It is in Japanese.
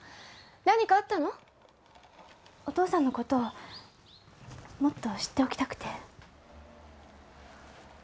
お父さんのことをもっと知っておきたくて。